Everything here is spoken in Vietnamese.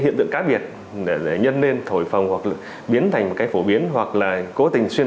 hiện tượng khác biệt để nhân nên thổi phòng hoặc biến thành một cái phổ biến hoặc là cố tình xuyên